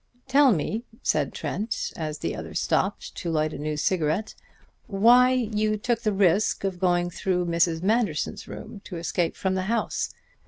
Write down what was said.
"Tell me," said Trent as the other stopped to light a new cigarette, "why you took the risk of going through Mrs. Manderson's room to escape from the house?